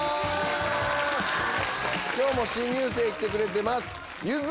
今日も新入生来てくれてますゆず！